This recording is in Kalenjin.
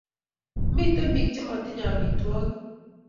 Miten pik che matinye amitwakik